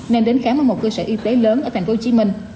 nên đến khám ở một cơ sở y tế lớn ở tp hcm